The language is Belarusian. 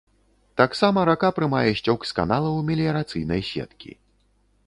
Таксама рака прымае сцёк з каналаў меліярацыйнай сеткі.